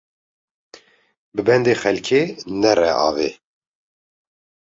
Bi bendê xelkê nere avê